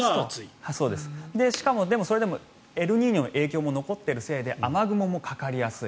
しかもそれでもエルニーニョの影響も残っているせいで雨雲もかかりやすい。